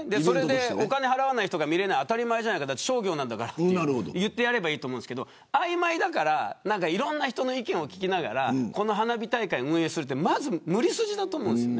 お金を払わない人が見れない当たり前じゃないか商業なんだからって言ってやればいいと思うんですが曖昧だから、いろんな人の意見を聞きながら花火大会を運営するって無理筋だと思うんです。